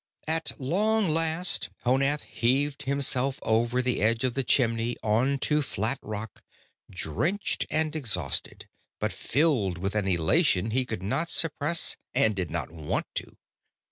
At long last Honath heaved himself over the edge of the chimney onto flat rock, drenched and exhausted, but filled with an elation he could not suppress and did not want to.